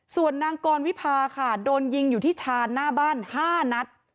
ส่วนนางกรวิพาค่ะโดนยิงอยู่ที่ชานหน้าบ้าน๕นัด